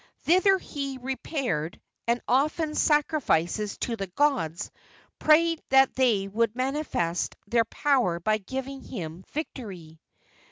Thither he repaired, and, offering sacrifices to the gods, prayed that they would manifest their power by giving him victory.